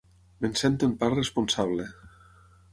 Me'n sento en part responsable.